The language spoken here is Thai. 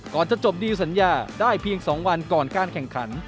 จะจบดีลสัญญาได้เพียง๒วันก่อนการแข่งขัน